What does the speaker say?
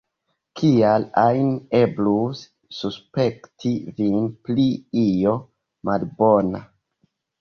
Kial ajn eblus suspekti vin pri io malbona!